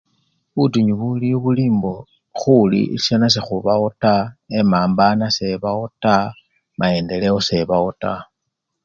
butinyu buliwo bili mbo huwulilisana sehubawo taa, emambana sebawo taa, maendeleo sebawo taa